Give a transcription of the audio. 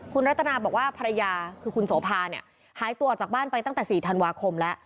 คุณรัตนาบอกว่าภรรยาคือคุณโสภาเนี่ยหายตัวออกจากบ้านไปตั้งแต่๔ธันวาคมแล้ว